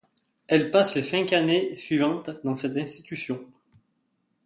Elle passe les cinq années suivantes dans cette institution.